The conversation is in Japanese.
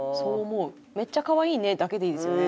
「めっちゃかわいいね」だけでいいですよね。